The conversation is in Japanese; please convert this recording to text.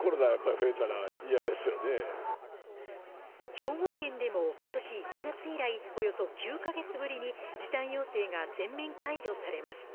兵庫県でもことし１月以来およそ９か月ぶりに時短要請が全面解除されます